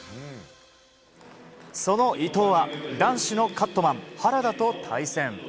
その伊藤は男子のカットマン、原田と対戦。